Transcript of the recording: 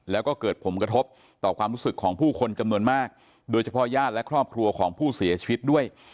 แล้วก็เกิดผลกระทบต่อความรู้สึกของผู้คนจำนวนมากโดยเฉพาะญาติและครอบครัวของผู้เสียชีวิตด้วย